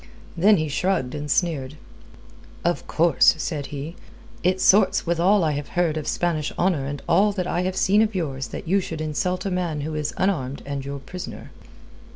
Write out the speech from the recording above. Then he shrugged and sneered: "Of course," said he, "it sorts with all I have heard of Spanish honour and all that I have seen of yours that you should insult a man who is unarmed and your prisoner."